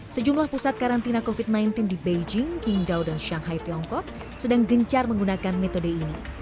sejumlah pusat karantina covid sembilan belas di beijing kingdo dan shanghai tiongkok sedang gencar menggunakan metode ini